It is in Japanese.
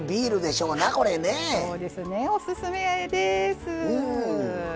そうですねおすすめです。